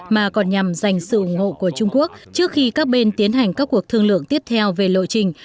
mà còn nhằm giành sự ủng hộ của trung quốc trước khi các bên tiến hành các cuộc thương lượng tiếp theo về lộ trình